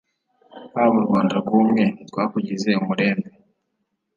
Haba u Rwanda rw'umwe Ntitwakugize umurembe